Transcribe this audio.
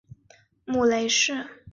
母雷氏。